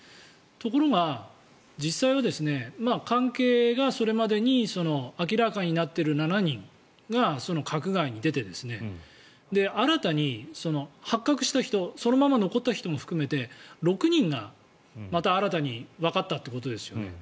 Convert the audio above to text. ところが、実際は関係がそれまでに明らかになっている７人が閣外に出て新たに発覚した人そのまま残った人も含めて６人が、また新たにわかったということですよね。